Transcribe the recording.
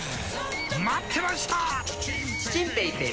待ってました！